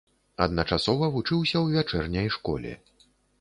Адначасова вучыўся ў вячэрняй школе.